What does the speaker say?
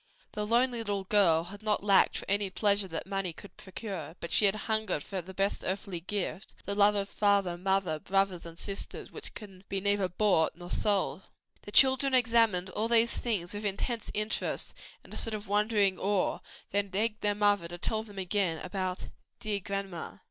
The lonely little girl had not lacked for any pleasure that money could procure: but she had hungered for that best earthly gift the love of father, mother, brothers and sisters which can be neither bought nor sold. The children examined all these things with intense interest and a sort of wondering awe, then begged their mother to tell them again about "dear grandma."